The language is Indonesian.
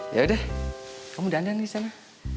yaudah kamu dandan di sana